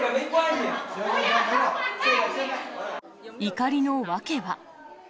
怒りの訳は。